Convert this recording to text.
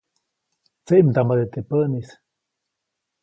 Tseʼmdambade teʼ päʼnis.